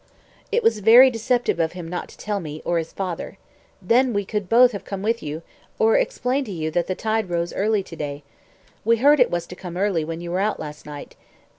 "It was very deceptive of him not to tell me or his father. Then we could both have come with you or explained to you that the tide rose early to day. We heard it was to come early when you were out last night.